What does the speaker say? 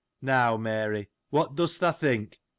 Now, Mary, what dost thou think?